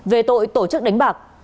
về tội tổ chức đánh bạc